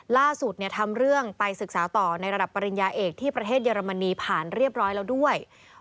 ล่าสุดทำเรื่องไปศึกษาต่อในระดับปริญญาเอกที่ประเทศเยอรมนีผ่านเรียบร้อยแล้วด้วย